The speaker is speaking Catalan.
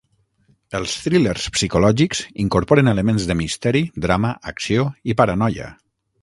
Els thrillers psicològics incorporen elements de misteri, drama, acció, i paranoia.